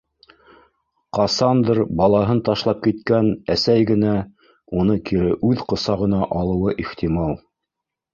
Ҡасандыр балаһын ташлап киткән әсәй генә уны кире үҙ ҡосағына алыуы ихтимал.